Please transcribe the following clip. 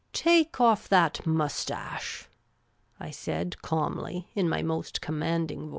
" Take off that moustache !" I said, calmly, in my most commanding voice.